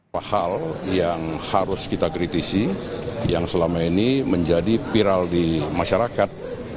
hal yang harus kita kritisi yang selama ini menjadi viral di masyarakat